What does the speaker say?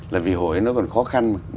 là vì hồi ấy nó còn khó khăn mà